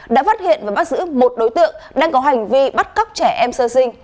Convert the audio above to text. đã phát hiện và bắt giữ một đối tượng đang có hành vi bắt cóc trẻ em sơ sinh